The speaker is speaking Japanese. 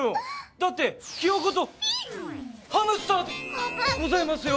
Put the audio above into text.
だってヒヨコとハムスターでございますよ？